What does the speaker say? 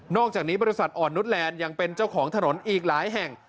อกจากนี้บริษัทอ่อนนุษแลนด์ยังเป็นเจ้าของถนนอีกหลายแห่ง